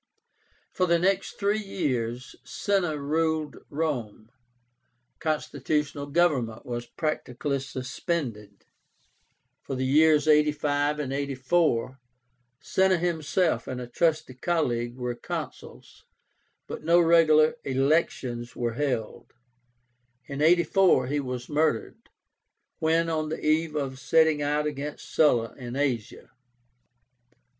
For the next three years Cinna ruled Rome. Constitutional government was practically suspended. For the years 85 and 84 Cinna himself and a trusty colleague were Consuls, but no regular elections were held. In 84, he was murdered, when on the eve of setting out against Sulla in Asia.